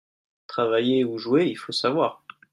Travailler ou jouer, il faut savoir.